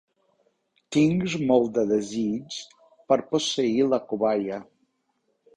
Tinguis molt de desig per posseir la cobaia.